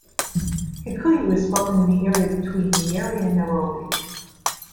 Kikuyu is spoken in the area between Nyeri and Nairobi.